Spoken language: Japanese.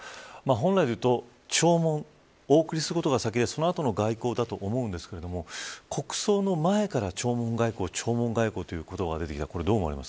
本来でいうと、弔問お送りすることが先で、その後の外交だと思うんですが国葬の前から弔問外交弔問外交という言葉が出てきた。